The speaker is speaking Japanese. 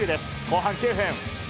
後半９分。